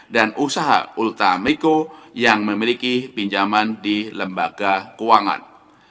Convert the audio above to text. dan usaha ultameco yang memiliki pinjaman di lembaga keuangan